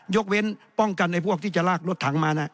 ยกเว้นป้องกันไอ้พวกที่จะลากรถถังมานะ